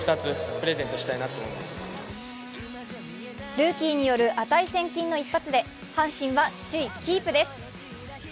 ルーキーによる値千金の一発で阪神は首位キープです。